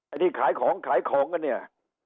ไอ้ที่ขายของก็เนี่ย